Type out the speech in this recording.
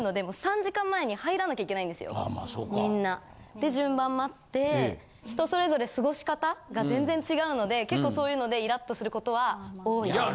で順番待って人それぞれ過ごし方が全然違うので結構そういうのでイラッ！とすることは多いです。